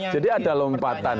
jadi ada lompatan